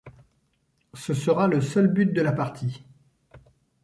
Ce sera le seul but de la partie.